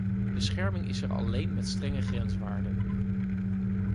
Bescherming is er alleen met strenge grenswaarden.